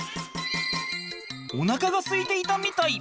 おなかがすいていたみたい。